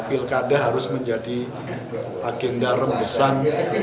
pilkada harus menjadi agenda rembesan